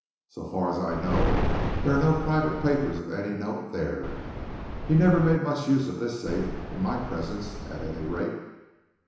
So far as I know, there are no private papers of any note there. He never made much use of this safe in my presence, at any rate."